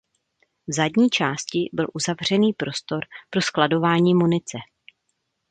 V zadní části byl uzavřený prostor pro skladování munice.